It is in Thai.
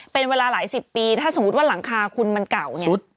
เป็นเวลาหลายสิบปีถ้าสมมุติว่าหลังคาคุณมันเก่าเนี่ย